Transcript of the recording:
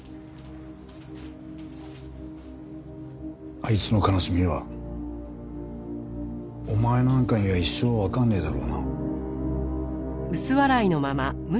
あいつの悲しみはお前なんかには一生わかんねえだろうな。